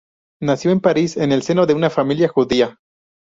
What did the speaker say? Nació en París en el seno de una familia judía.